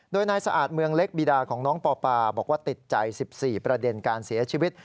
โดยนายสะอาดเมืองเล็กบีดาของน้องปอปาบอกว่าติดใจ๑๔ประเด็นการเสียชีวิต